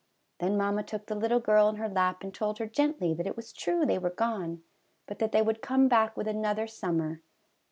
Then mamma took the little girl in her lap, and told her gently that it was true they were gone, but that they would come back with another summer.